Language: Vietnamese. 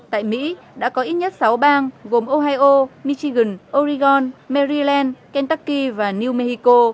tại mỹ đã có ít nhất sáu bang gồm ohio michigan oregon maryland kentucky và new mexico